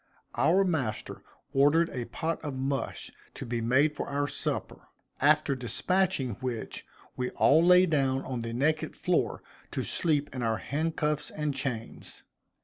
Our master ordered a pot of mush to be made for our supper; after despatching which we all lay down on the naked floor to sleep in our handcuffs and chains.